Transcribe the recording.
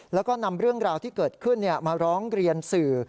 แล้วก็นำเรื่องราวที่เกิดขึ้นมาร้องเรียนสื่อ